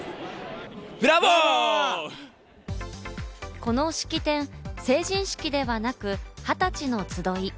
この式典、成人式ではなく、はたちの集い。